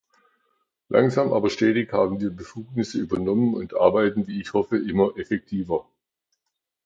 Langsam aber stetig haben wir Befugnisse übernommen und arbeiten, wie ich hoffe, immer effektiver.